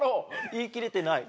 いいきれてない。